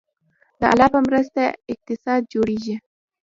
د الله په مرسته اقتصاد جوړیږي